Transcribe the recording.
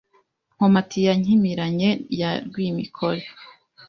Nkomati ya Nkimiranye ya Rwimikore